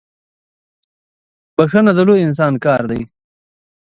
بخښنه د لوی انسان کار دی.